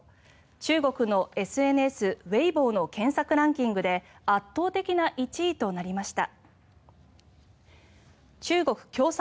中国のＳＮＳ、ウェイボーの検索ランキングで圧倒的な１位となりました。